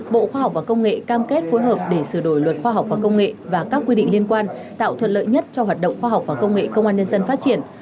bộ khoa học và công nghệ cam kết phối hợp để sửa đổi luật khoa học và công nghệ và các quy định liên quan tạo thuận lợi nhất cho hoạt động khoa học và công nghệ công an nhân dân phát triển